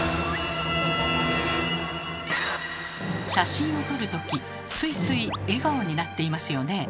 写真を撮る時ついつい笑顔になっていますよね？